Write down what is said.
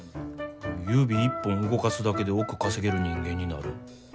指一本動かすだけで億稼げる人間になる。